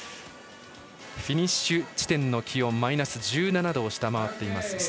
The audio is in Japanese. フィニッシュ地点の気温マイナス１７度を下回っています。